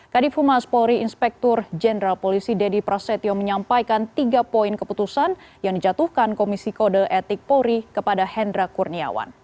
kadifu mas polri inspektur jenderal polisi deddy prasetyo menyampaikan tiga poin keputusan yang dijatuhkan komisi kode etik polri kepada hendra kurniawan